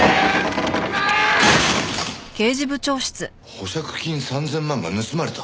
保釈金３０００万が盗まれた？